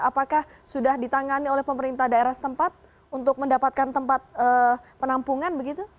apakah sudah ditangani oleh pemerintah daerah setempat untuk mendapatkan tempat penampungan begitu